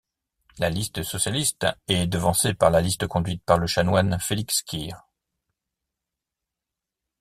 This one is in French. La liste socialiste est devancée par la liste conduite par le chanoine Félix Kir.